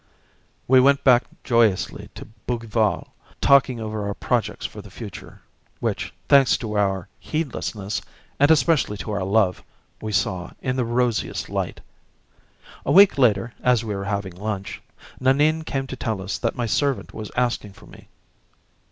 We went back joyously to Bougival, talking over our projects for the future, which, thanks to our heedlessness, and especially to our love, we saw in the rosiest light. A week later, as we were having lunch, Nanine came to tell us that my servant was asking for me.